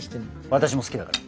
私も好きだから。